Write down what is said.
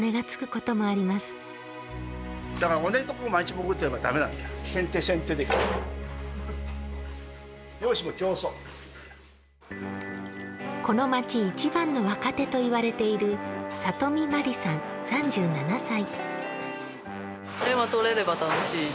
この町いちばんの若手と言われている里美茉里さん、３７歳。